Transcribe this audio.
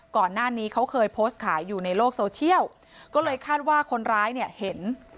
ก่อนหน้านี้เขาเคยโพสต์ขายอยู่ในโลกโซเชียลก็เลยคาดว่าคนร้ายเนี่ยเห็น